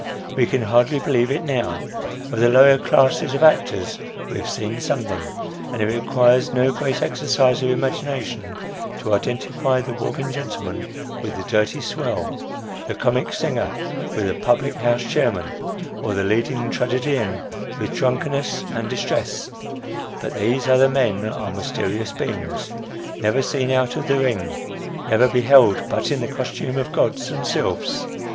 Wo can hardly believe it now. Of the lower class of actors we have seen something, and it requires no great exercise of imagination to identify the walking gentleman with the "dirty swell," the comic singer with the public house chairman, or the leading tragedian with drunkenness and distress ; but these other men are mysterious beings, never seen out of the ring, never beheld but in the costume of gods and sylphs.